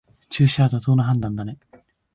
中止は妥当な判断だね